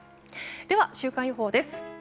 では、週間予報です。